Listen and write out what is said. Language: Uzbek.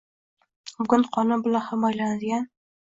bugun qonun bilan himoyalanadigan